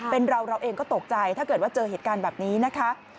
เป็นเราเราเองก็ตกใจถ้าเกิดว่าเจอเหตุการณ์แบบนี้นะคะ